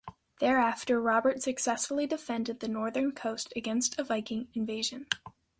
Thereafter Robert successfully defended the northern coast against a Viking invasion.